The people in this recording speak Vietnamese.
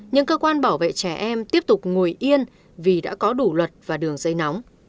những cơ quan bảo vệ trẻ em tiếp tục ngồi yên vì đã có đủ luật và đường dây nóng